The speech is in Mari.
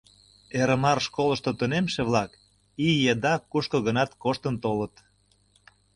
Эрмар школышто тунемше-влак ий еда кушко-гынат коштын толыт.